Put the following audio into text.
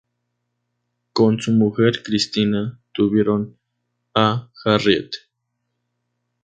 Con su mujer Christina tuvieron a Harriet.